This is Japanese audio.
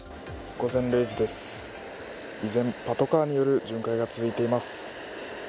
午前０時です、依然パトカーによる巡回が続いています。